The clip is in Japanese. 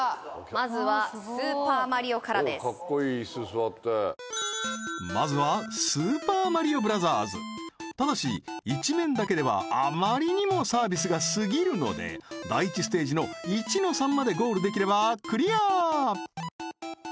まずはスーパーマリかっこいい椅子座ってまずはスーパーマリオブラザーズただし１面だけではあまりにもサービスが過ぎるので第１ステージの１−３までゴールできればクリア